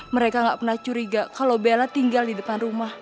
mereka nggak pernah curiga kalau bella tinggal di depan rumah